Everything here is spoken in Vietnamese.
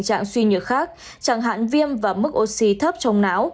trạng suy nhược khác chẳng hạn viêm và mức oxy thấp trong não